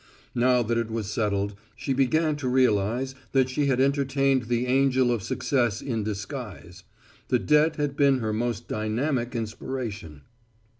Now that it was settled, she began to realize that she had entertained the angel of success in disguise. The debt had been her most dynamic inspiration.